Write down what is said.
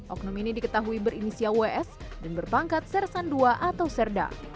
oknum ini diketahui berinisial ws dan berpangkat sersan ii atau serda